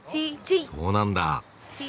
そうなんだ。